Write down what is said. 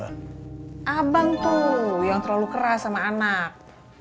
abang tuh yang terlalu keras sama anak